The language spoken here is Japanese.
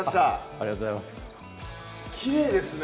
ありがとうございますきれいですね